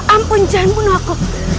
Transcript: ampun jangan bunuh aku